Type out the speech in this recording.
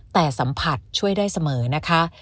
แต่สัมผัสช่วยได้เสมอนะคะ